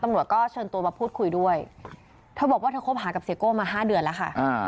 ตำรวจก็เชิญตัวมาพูดคุยด้วยเธอบอกว่าเธอคบหากับเสียโก้มา๕เดือนแล้วค่ะ